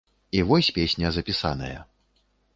І вось песня запісаная.